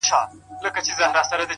چاته يادي سي كيسې په خـامـوشۍ كــي-